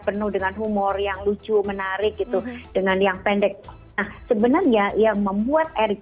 penuh dengan humor yang lucu menarik gitu dengan yang pendek nah sebenarnya yang membuat erick